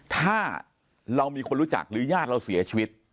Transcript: ถ้าเรามีคนรู้จักหรือญาติเราเสียชีวิต